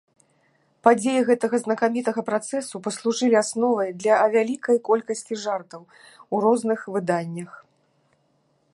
Падзеі гэтага знакамітага працэсу паслужылі асновай для а вялікай колькасці жартаў у розных выданнях.